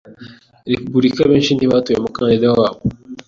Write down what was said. Repubulika benshi ntibatoye umukandida wabo.